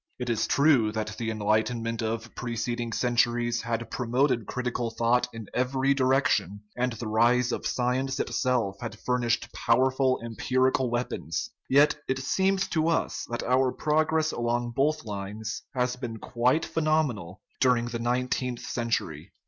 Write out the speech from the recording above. It is true that the enlightenment of preceding centuries had promoted critical thought in every direc tion, and the rise of science itself had furnished pow erful empirical weapons; yet it seems to us that our progress along both lines has been quite phenomenal during the nineteenth century.